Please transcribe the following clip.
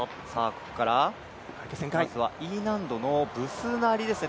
まずはＥ難度のブスナリですね。